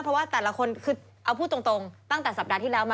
เพราะว่าแต่ละคนคือเอาพูดตรงตั้งแต่สัปดาห์ที่แล้วมา